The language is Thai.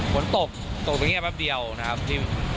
ฝนตกตกตรงนี้แป๊บเดียวนะครับ